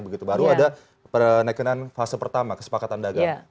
begitu baru ada penekanan fase pertama kesepakatan dagang